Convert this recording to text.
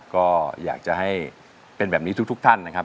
ก็อยากจะให้เป็นแบบนี้ทุกท่านนะครับ